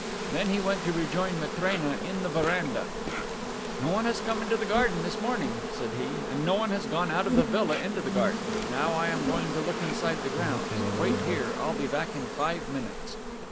Then he went to rejoin Matrena in the veranda. "No one has come into the garden this morning," said he, "and no one has gone out of the villa into the garden. Now I am going to look outside the grounds. Wait here; I'll be back in five minutes."